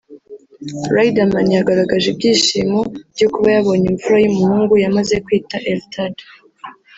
Riderman yagaragaje ibyishimo byo kuba yabonye imfura y’umuhungu yamaze kwita Eltad